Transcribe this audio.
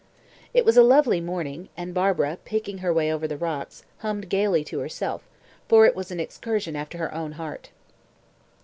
It was a lovely morning, and Barbara, picking her way over the rocks, hummed gaily to herself, for it was an excursion after her own heart.